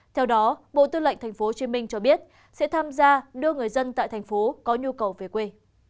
theo đó bộ tư lệnh tp hcm cho biết sẽ tham gia đưa người dân tại thành phố có nhu cầu về quê